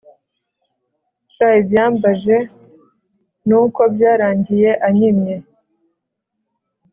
Sha ivyambaje nuko byarangiye anyimye